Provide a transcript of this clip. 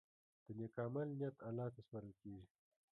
د نیک عمل نیت الله ته سپارل کېږي.